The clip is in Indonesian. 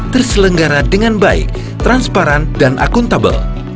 terselenggara dengan baik transparan dan akuntabel